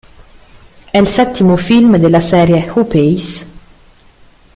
È il settimo film della serie "Who Pays?